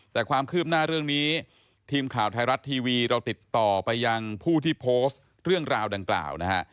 แต่ความคืบหน้าเรื่องนี้ทีมข่าวไทยรัฐทีวีเราติดต่อไปยังผู้ที่โพสต์เรื่องราวดังกล่าวนะฮะ